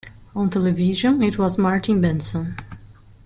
On television, it was Martin Benson.